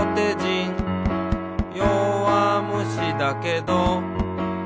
「よわむしだけど」